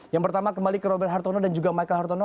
yang pertama kembali ke robert hartono dan juga michael hartono